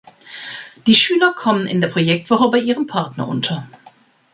Die Schüler kommen in der Projektwoche bei ihrem Partner unter.